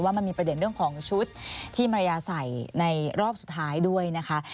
มันมีประเด็นเรื่องของชุดที่มารยาใส่ในรอบสุดท้ายด้วยนะคะ